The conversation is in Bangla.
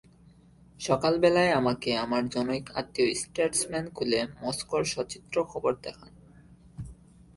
সকালবেলায় আমাকে আমার জনৈক আত্মীয় স্টেটসম্যান খুলে মস্কোর সচিত্র খবর দেখান।